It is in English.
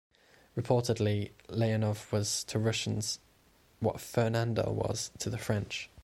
Reportedly, Leonov was to Russians what Fernandel was to the French.